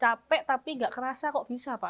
capek tapi gak kerasa kok bisa pak